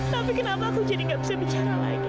tapi kenapa aku jadi gak bisa bicara lagi